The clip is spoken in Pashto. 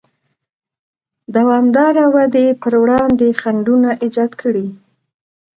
دوامداره ودې پر وړاندې خنډونه ایجاد کړي.